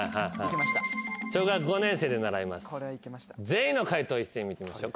全員の解答一斉に見てみましょう。